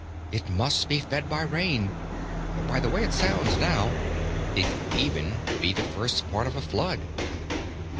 "It must be fed by rain. By the way it sounds now, it could even be the first part of a flood."